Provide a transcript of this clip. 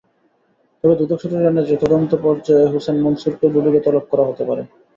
তবে দুদক সূত্র জানিয়েছে, তদন্ত পর্যায়ে হোসেন মনসুরকেও দুদকে তলব করা হতে পারে।